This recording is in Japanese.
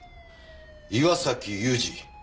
岩崎裕二。